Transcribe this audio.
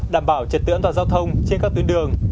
đảm bảo trật tự an toàn giao thông trên các tuyến đường